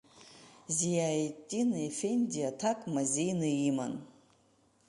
Зиаеттин Ефенди аҭак мазеины иман.